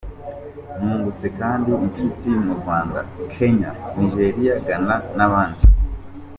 Nungutse kandi inshuti mu Rwanda; Kenya; Nigeria, Ghana n’ahandi.